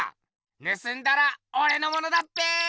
ぬすんだらおれのものだっぺ。